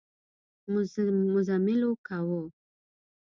مزلمو کاوه.